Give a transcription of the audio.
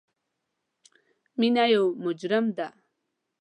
مینه یو مجرم ده